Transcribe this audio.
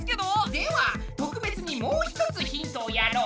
では特別にもう一つヒントをやろう。